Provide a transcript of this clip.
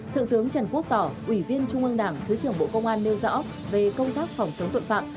thượng tướng trần quốc tỏ ủy viên trung ương đảng thứ trưởng bộ công an nêu rõ về công tác phòng chống tội phạm